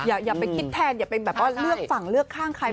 อย่าไปคิดแทนอย่าไปแบบว่าเลือกฝั่งเลือกข้างใคร